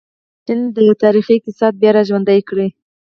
چین د تاریخي اقتصاد بیا راژوندی کړ.